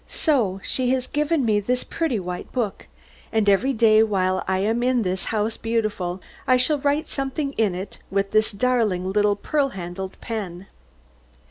So she has given me this pretty white book, and every day while I am in this House Beautiful I shall write something in it with this darling little pearl handled pen.